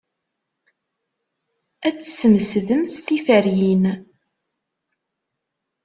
Ad tesmesdemt tiferyin.